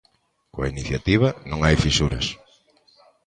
Coa iniciativa non hai fisuras.